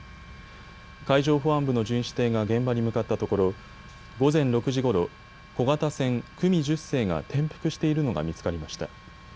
海上保安部の巡視艇が現場に向かったところ午前６時ごろ小型船、久美１０世が転覆しているのが見つかりました。